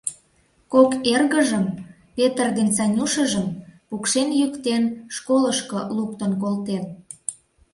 Кок эргыжым — Петр ден Санюшыжым — пукшен-йӱктен, школышко луктын колтен.